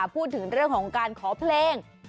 พูดถึงเรื่องของการขอเพลง